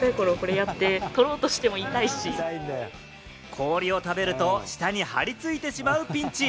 氷を食べると舌に張り付いてしまうピンチ。